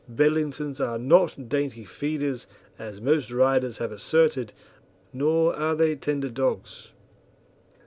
Bedlingtons are not dainty feeders, as most writers have asserted, nor are they tender dogs.